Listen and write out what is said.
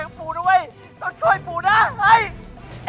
อย่าเราช่วยปู่นะ